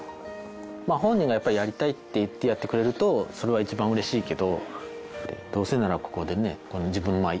本人がやっぱりやりたいって言ってやってくれるとそれは一番うれしいけど。